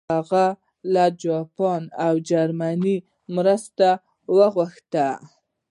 هغه له جاپان او جرمني مرسته وغوښته.